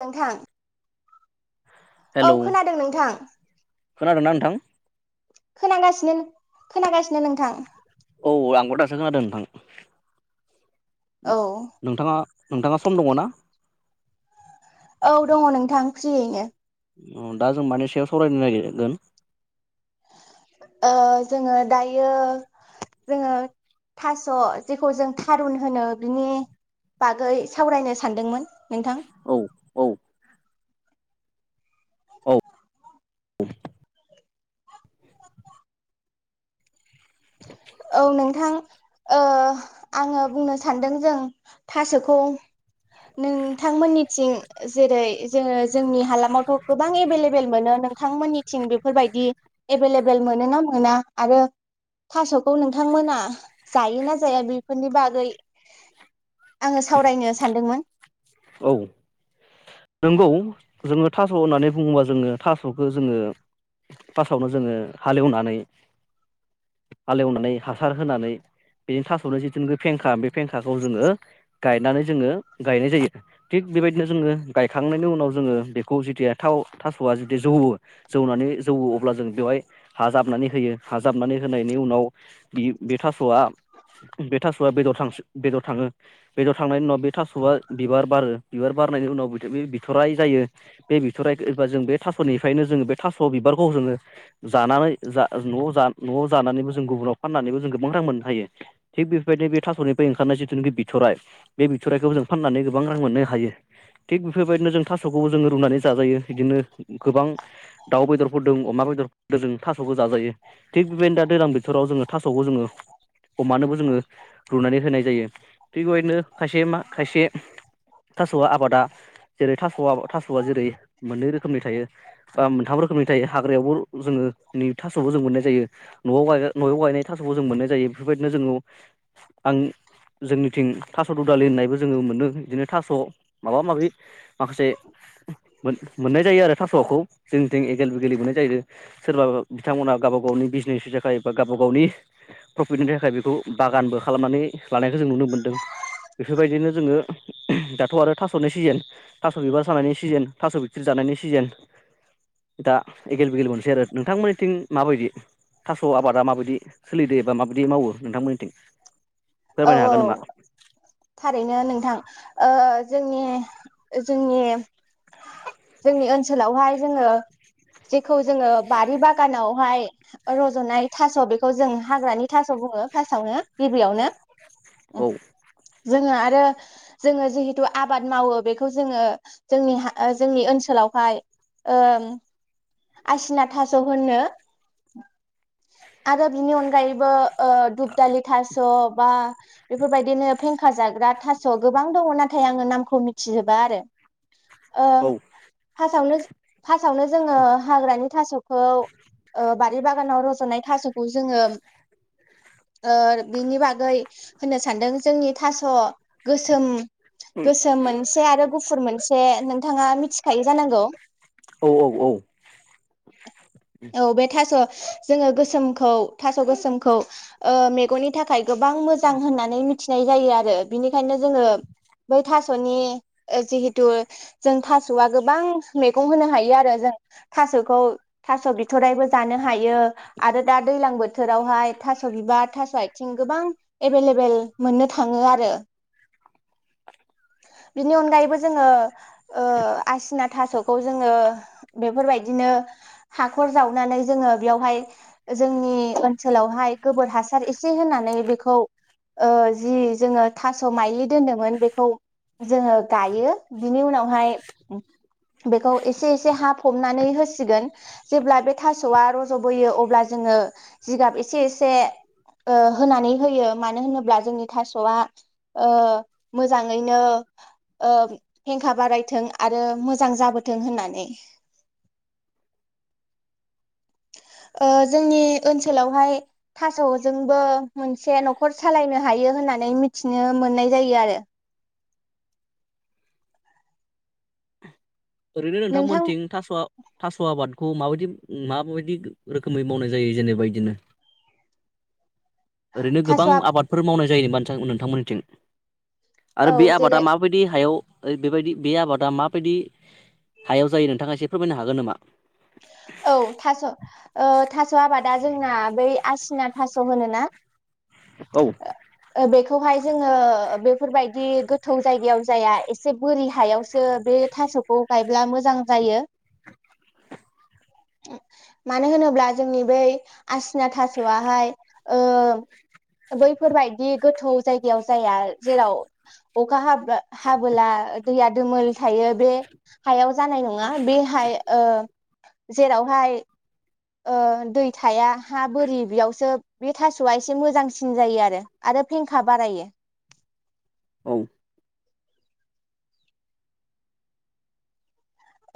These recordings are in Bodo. नोंथां। औ खोनादों नोंथां। खोनादों ना नोंथां? खोनागासिनो खोनागासि नो नोंथां। औ आंबो दासो खोनादों नोंथां। औ नोंथाङा नोंथाङा सम दङ ना? औ दङ नोंथां फ्रियैनो ओ दा जों मानि सायाव सावरायनो नागिरगोन। ओ जोङो दायो जोङो थास' जेखौ जों थारुन होनो बिनि बागै सावरायनो सानदोंमोन। नोंथां। औ औ औ। औ नोंथां। ओ आङो बुंनो सान्दों जों थास'खौ। नोंथांमोननिथिं जेरै जोङो जोंनि हालामावथ' गोबां एभेलेबेल मोनो नोंथांमोननिथिं बेफोरबायदि एभेलेबोल मोनो ना मोना आरो। थास'खौ नोंथांमोना जायो ना जाया बेफोरनि बागै आङो सावरायनो सानदोंमोन। औ। नोंगौ जोङो थास' होननानै बुङोबा जोङो थास'खौ जोङो फासआवनो जोङो हालेवनानै हालेवनानै हासार होनानै बेनि थास'नो जिथुुनखि फेंखा बे फेंखाखौ जोङो गायनानै जोङो गायनाय जायो थिग बेबायदिनो जोङो। गायखांनायनि उनाव जोङो बेखौ जेथिया थाव थास'आ जुदि जौवो जौनानै जौवो अब्ला जों बेवहाय हा जाबनानै होयो हा जाबनानै होनायनि उनाव बे थास'आ बे थास'आ बेदरा थांसो बेदर थाङो बेदर थांनायनि उनाव बे थास'आ बिबार बारो बिबार बारनायनि उनाव। बे बिथ'राइ जायो बे बिथ'राइ एबा जों बे थास'निफ्रायनो जोङो बे थास' बिबारखौ जोङो जानानै। जा न' जान न' जानानैबो जों गुबुनाव फाननानैबो जों गोबां रां मोननो हायो, थिक बेफोरबायदिनो बे थास'निफ्राय ओंखारनाय जिथुनाखि बिथराइ बे बिथराइखौ जों फाननानै गोबां रां मोननो हायो। थिग बेफोरबायदिनो जों थास'खौबो जोङो रुनानै जाजायो बिदिनो गोबां दाउ बेदरफोरदों अमा बेदरजों थास'खौ जाजायो थिग बेबायदिनो दा दैज्लां बोथोराव जोङो थास'खौ जोङो अमानोबो जोङो रुनानै होनाय जायो, थिग बेबायदिनो खायसे मा खायसे थास'आ आबादा। जेरै थास'आ थास'आ जेरै मोननै रोखोमनि थायो बा मोनथाम रोखोमनि थायो हाग्रायावबो जोङो नि थास'बो जों मोननाय जायो न'आव न'आव गायनाय थास'बो जों मोननाय जायो बेफोरबायदिनो जोङो आं जोंनिथिं थास' ददालि होननायबो जोङो मोनो बिदिनो थास' माबा माबि माखासे मोन मोननाय जायो आरो थास'खौ, जोंथिों एगेल बेगेेल मोननाय जायो, सोरबा बिथांमोनहा गावबा गावनि बिजनेसनि थाखाय बा गावबा गावनि प्रफिटनिनि थाखाय बेखौ बागानबो खालामनानै लानायखौ जों नुनो मोनदों बेफोरबायदिनो जोङो दाथ' आरो थास'नि सिजेन थास' बिबार सानायनि सिजेन थास' बिथ्रि जानायनि सिजेन दा एगेल बेगेल मोननोसै आरो नोंथांमोननिथिं माबायदि थास' आबादा माबायदि सोलिदो एबा माबायदि मावो नोंथांमोननिथिं। औ फोरमायनो औ हागोन नामा थारैनो नोंथां। ओ जोंनि जोंनि जोंनि ओनसोलावहाय जोङो जेखौ जोङो बारि बागानावहाय रज'नाय थास' बेखौ जों हाग्रानि थास' बुङो फार्स्टआवनो गिबियावनो। औ। जोङो आरो जोङो जिहेथु आबाद मावो बेखौ जोङो जोंनि जोंनि ओनसोलावहाय ओम आसिना थास' होननो। आरो बिनि अनगायैबो ओ दुब दालि थास' बा बेफोरबायदिनो फेंखा जाग्रा थास' गोबां दङ नाथाय आङो नामखौ मिथिजोबा आरो ओ औ फासावनो फासावनो जोङो हाग्रानि थास' खौ ओ बारि बागानाव रज'नाय थास'खौ जोङो ओ बिनि बागै होननो सानदों जोंनि थास' गोसोम गोसोम मोनसे आरो गुफुर मोनसे नोंथाङा मिथिखायो जानांगौ औ औ औ औ बे थास' जोङो गोसोमखौ थास' गोसोमखौ ओ मेगननि थाखाय गोबां मोजां होननानै मिथिनाय जायो आरो बिनिखायनो जोङो बै थास'नि जिहेथु जों थास'आ गोबां मैगं होनो हायो आरो जों थास'खौ थास' बिथ'रायबो जानो हायो आरो दा दैलां बोथोरावहाय थास' बिबार थास' आथिं गोबां एभेलेबेल मोननो थाङो आरो बिनि अनगायैबो जोङो ओ आसिना थासखौ जोङो बेफोरबायदिनो हाखर जावनानै जोङो बेयावहाय जोंनि ओनसोलावहाय गोबोर हासार एसे होनानै बेखौ ओ जि जोङो थास मायलि दोन्दोंमोन बेखौ जोङो गायो बिनि उनावहाय बेखौ एसे एसे हा फबनानै होसिगोन जेब्ला बे थासआ रजबोयो अब्ला जोङो जिगाब एसे एसे होनानै होयो मानो होनोब्ला जोंनि थासआ ओ मोजां यैनो ओ फेंखा बारायथों आरो मोजां जाबोथों होननानै ओ जोंनि ओनसोलावहाय थासजोंबो मोनसे नखर सालायनो हायो होननानै मिथिनो मोननाय जायो आरो ओरैनो नोंथां नोंथांमोनथिं थास थास आबाद खौ माबायदि माबायदि रोखोमै मावनाय जायो जेनेबा बिदिनो ओरैनो थास' गोबां आबादफोर मावनाय जायो नामा नोंथां नोंथां मोननिथिं आरो औ बे आबादा जेरै माबायदि हायाव ओ बेबायदि बे आबादा माबायदि हायाव जायो नोंथाङा एसे फोरमायनो हागोन नामा औ थास ओ थास आबादा जोंना बै आसिना थास होनो ना औ बेखौहाय जोङो बेफोरबायदि गोथौ जायगायाव जाया एसे बोरि हायावसो बे थासखौ गायब्ला मोजां जायो मानो होनोब्ला जोंनि बै आसिना थास आहाय ओ बैफोरबायाददि गोथौ जायगायाव जाया जेराव अखा हाबा हा बोला दैया दोमोल थायो बे हायाव जानाय नङा बे हाय ओ जेरावहाय ओ दै थाया हा बोरि बेयावसो बे थासआ एसे मोजांसिन जायो आरो आरो फेंखा बारायो औ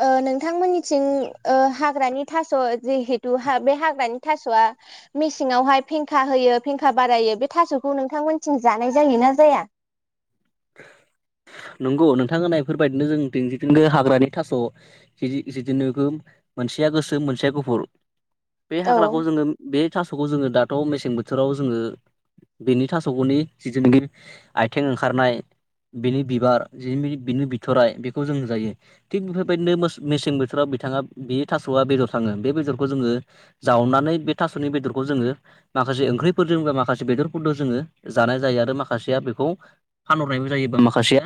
ओ‌ नोंथां‌ मोननि थिं ओ हाग्रानि थास जिहेथु बे हाग्रानि थासआ मेसेंआवहाय फेंखा होयो फेंखा बारायो बे थासखौ नोंथां मोननि थिं जानाय जायोना जाया नंगौ नोंथां होननाय बेफोर बायादिनो जों दिनजिथिंगो हाग्रानि थासदि जिदि जिदिनोगोम मोनसेया गोसोम मोनसेया गुफुर बे औ हाग्राखौ जोङो बे थासखौ जोङो दाथ मेसें बोथोराव बेनि बिबार बिनि बिनि बिथराइ बेखौ जों जायो थिग बेफोरबायदिनो मोस मेसें बोथोराव बिथाङा बे थासआ बेदर थाङो बे बेदरखौ जोङो जावनानै बे थासनि बेदरखौ जोङो माखासे ओंख्रिफोरजों बा माखासे बेदरफोरजों जोङो जानाय जायो आरो माखासेया बेखौ फानहरनायबो जायोबा माखासेया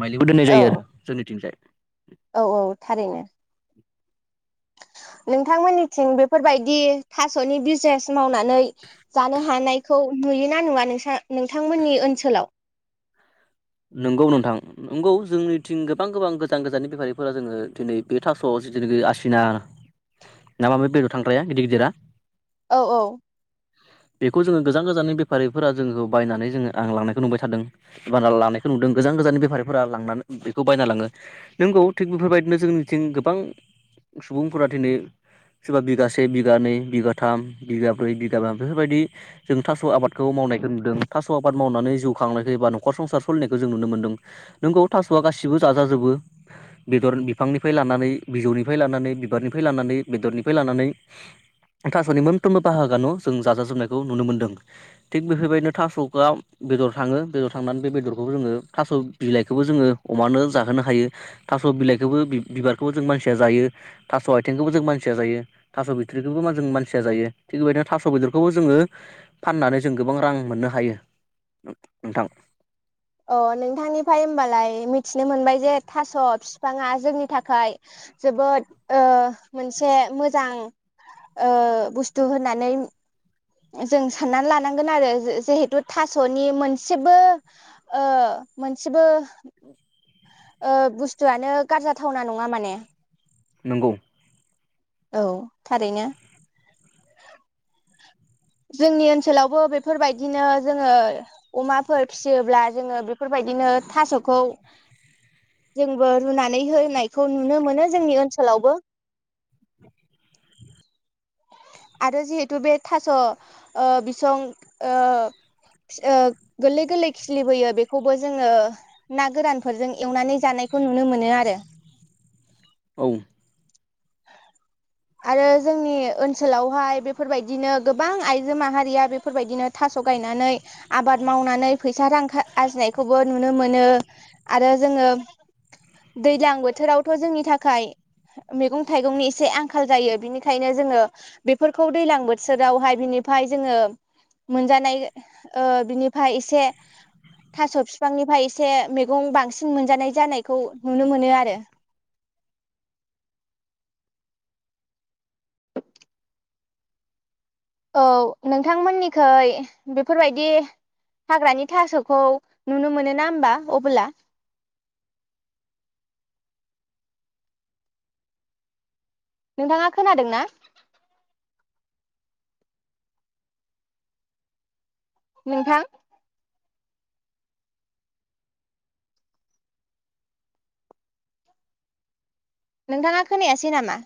माइलिखौ दोननाय जायो आरो औ जोंनिथिं जाय। औ थारैनो नोंथांमोननिथिं बेफोरबायदि थास'नि बिजनेस मावनानै जानो हानायखौ नुयोना नुवा नोंसा-नों-नोंथांमोननि ओनसोलाव? नंगौ नोंथां नंगौ जोंनिथिं गोबां गोबां गोजान गोजाननि बेफारिफोरा जोङो दिनै बे थास' जितुनिखि आसिना ना माबा बेदर थांग्राया गिदिर गिदिरा? औ औ बेखौ जोङो गोजान गोजाननि बेफारिफोरा जोंखौ बायनानै जोङो आं लांनायखौ बुंबाय थादों एबा लानाय नुदों गोजान गोजाननि बेफारिफोरा लांनानै बेखौ बायना लाङो नंगौ थिग बेफोरबायदिनो जोंनिथिं गोबां सुबुंफोरा दिनै सोरबा बिगासे बिगानैै बिगाथाम बिगा ब्रै बिगाा बेफोरबायदि जों थास आबादखौ मावनायखौ नुदों थास' आबाद मावनानै जिउ खांनायखौ एबा न'खर संसार सलिनायखौ जों नुनो मोनदों नोंगौ थास'आ गासिबो जाजाजोबो बेदर बिफांनिफ्राय लानानै बिजौनिफ्राय लानानै बिबारनिफ्राय लानानै बेदरनिफ्राय लानानै थासनि मोनफ्रोमबो बाहागोआानो जों जाजाजोबनायखौ नुनो मोन्दों थिग बेफोरबायदिनो थासखोआव बेदर थाङो बेदर थांनानै बे बेदरखौ खौबो जोङो थास' बिलाइखौबो जोङो अमानो जाहोनो हायो थास' बिलाइखौबो बिबारखौबो जों मानसिया जायो थास' आथिंखौबो जों मानसिया जायो थास' बिथ्रिखौबो जों मानसिया जायो थिग बेबायदिनो थास बेदरखौबो जोङो फाननानै जों गोबां रां मोननो हायो नों नोंथां। अ नोंथांनिफ्राय उमबालाय मिथिनो मोनबाय जे थास' बिफाङा जोंनि थाखाय जोबोद ओ मोनसे मोजां बुस्थु होननानै। जों साननानै लानांगोन आरो जिहेथु थास'नि मोनसेबो ओ मोनसेबो ओ बुस्थुआनो गारजा‌ थावना नङा माने। नोंगौ औ थारैनो जोंनि ओनसोलावबो बेफोरबायदिनो जोङो अमाफोर फिसियोब्ला जोङो बेफोरबायदिनो थास'खौ जोंबो रुनानै होनायखौ नुनो मोनो जोंनि ओनसोलावबो। आरो जिहेथु बे थास' ओ बिसं ओ ओ गोरलै गोरलै खिलिबोयो बेखौबो जोङो ना गोरानफोरजों एवनानै जानायखौ नुनो मोनो आरो। औ आरो जोंनि ओनसोलावहाय बेफोरबायदिनो गोबां आइजो माहारिया बेफोरबायदिनो थास' गायनानै आबाद मावनानै फैसा रां आरजिनायखौबो नुनो मोनो आरो जोङो दैलां बोथोरावथ' जोंनि थाखाय मैगं थाइगंनि एसे आंखाल आंखाल जायो बिनिखायनो जोङो बेफोरखौ दैलां बोथोरावहाय बिनिफ्राय जोङो मोनजानाय बिनिफ्राय एसे थास' बिफांनिफ्राय एसे मैगं बांसिन मोनजानाय जानायखौ नुनो मोनो आरो। औ नोंथांमोननिखै बेफोरबायाददि हाग्रानि थास'खौ नुनो मोनो ना होमबा अब्ला नोंथाङा खोनादों ना? नोंथां नोंथाङा खोनायासै नामा?